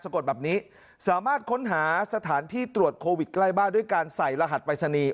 กดแบบนี้สามารถค้นหาสถานที่ตรวจโควิดใกล้บ้านด้วยการใส่รหัสปรายศนีย์